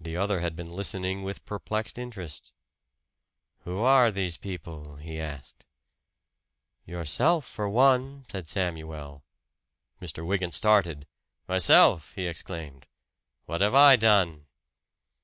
The other had been listening with perplexed interest. "Who are these people?" he asked. "Yourself for one," said Samuel. Mr. Wygant started. "Myself!" he exclaimed. "What have I done?"